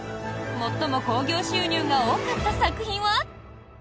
最も興行収入が多かった作品は？